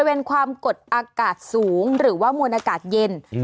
เป็นความกดอากาศสูงหรือว่ามวลอากาศเย็น